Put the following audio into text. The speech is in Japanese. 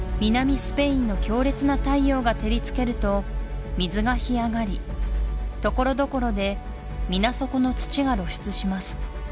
スペインの強烈な太陽が照りつけると水が干上がりところどころで水底の土が露出します